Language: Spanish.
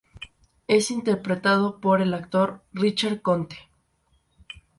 Es interpretado por el actor Richard Conte.